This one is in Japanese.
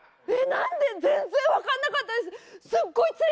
何で全然分かんなかったです